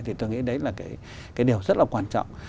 thì tôi nghĩ đấy là cái điều rất là quan trọng